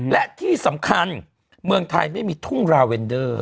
และที่สำคัญเมืองไทยไม่มีทุ่งราเวนเดอร์